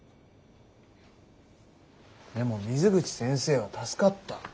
でも水口先生は助かった。